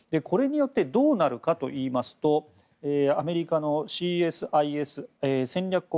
これによってどうなるかといいますとアメリカのＣＳＩＳ・戦略